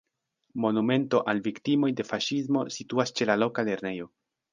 Monumento al viktimoj de faŝismo situas ĉe la loka lernejo.